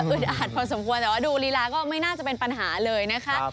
อุตอัตสึกที่สมควรแต่ว่าดูเลียก็ไม่น่าจะเป็นปัญหาเลยนะคะ